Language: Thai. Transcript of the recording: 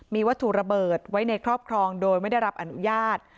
มีวัตถุระเบิดไว้ในครอบครองโดยไม่ได้รับอนุญาต